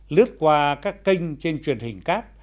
lướt qua các kênh trên truyền hình cát